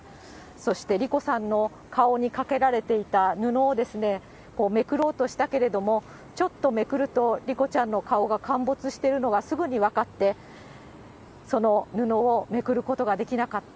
そして莉子さんの顔にかけられていた布をめくろうとしたけれども、ちょっとめくると、莉子ちゃんの顔が陥没しているのがすぐに分かって、その布をめくることができなかった。